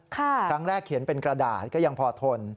ครั้งแรกเขียนเป็นกระดาษก็ยังพอทน